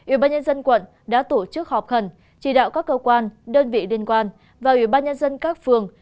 ủy ban nhân dân quận đã tổ chức họp khẩn chỉ đạo các cơ quan đơn vị liên quan và ủy ban nhân dân các phường